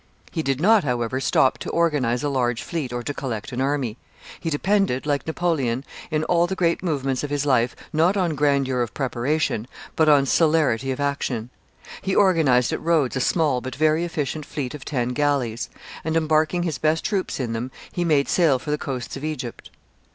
He did not, however, stop to organize a large fleet or to collect an army. He depended, like Napoleon, in all the great movements of his life, not on grandeur of preparation, but on celerity of action. He organized at Rhodes a small but very efficient fleet of ten galleys, and, embarking his best troops in them, he made sail for the coasts of Egypt.